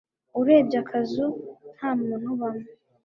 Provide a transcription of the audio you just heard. Urebye akazu, ntamuntu ubamo.